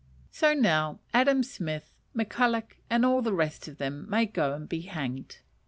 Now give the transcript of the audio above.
So now Adam Smith, McCulloch, and all the rest of them may go and be hanged.